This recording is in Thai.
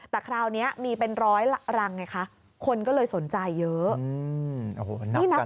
แต่คราวนี้มีเป็นร้อยรังไงคะคนก็เลยสนใจเยอะ